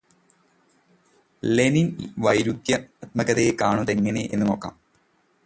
Lenin ഈ വൈരുദ്ധ്യാത്മകതയെ കാണുന്നതെങ്ങനെ എന്നു നോക്കാം.